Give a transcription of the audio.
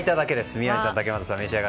宮司さん、竹俣さんどうぞ。